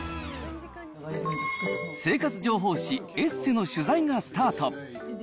生活情報誌、エッセの取材がスタート。